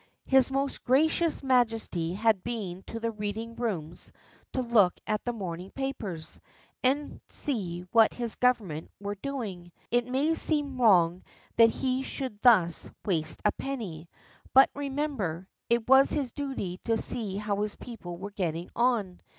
His most gracious Majesty had been to the reading rooms to look at the morning papers, and see what his Government were doing. It may seem wrong that he should thus waste a penny; but remember, it was his duty to see how his people were getting on.